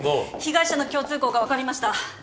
被害者の共通項が分かりました。